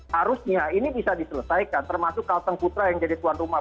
harusnya ini bisa diselesaikan termasuk kalteng putra yang jadi tuan rumah